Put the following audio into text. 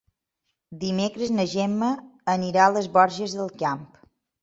Dimecres na Gemma anirà a les Borges del Camp.